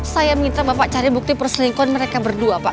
saya minta bapak cari bukti perselingkuhan mereka berdua pak